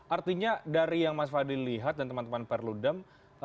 artinya dari yang mas fadli lihat dan teman teman perludem